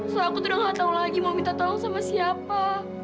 soal aku tuh udah gak tau lagi mau minta tolong sama siapa